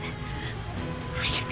「早く」